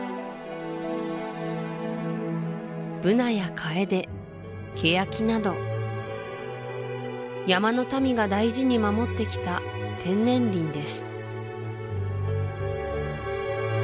ブナやカエデケヤキなど山の民が大事に守ってきた天然林です